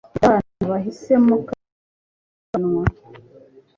Uzabyara abana wahisemo kandi ishyingiranwa